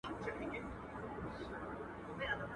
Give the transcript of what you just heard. د بل پر کور سل مېلمانه هيڅ نه دي.